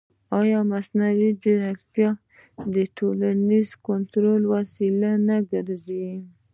ایا مصنوعي ځیرکتیا د ټولنیز کنټرول وسیله نه ګرځي؟